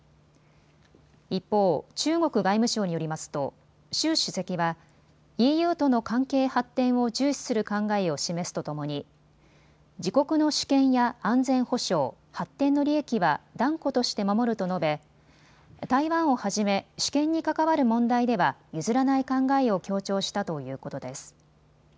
一方、中国外務省によりますと習主席はＥＵとの関係発展を重視する考えを示すとともに、自国の主権や安全保障、発展の利益は断固として守ると述べ台湾をはじめ主権に関わる問題では譲らない考えを強調したということです。